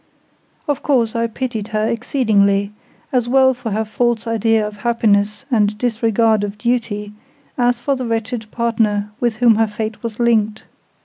Of course, I pitied her exceedingly; as well for her false idea of happiness and disregard of duty, as for the wretched partner with whom her fate was linked.